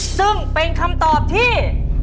ซึ่งเป็นคำตอบที่